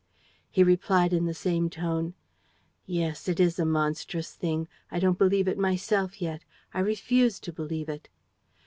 He replied in the same tone: "Yes, it is a monstrous thing. I don't believe it myself yet. I refuse to believe it."